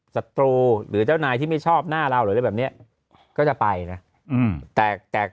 ศัตรูหรือเจ้านายที่ไม่ชอบหน้าเราหรืออะไรแบบนี้ก็จะไปนะแต่